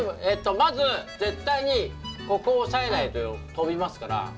えっとまず絶対にここを押さえないと飛びますから。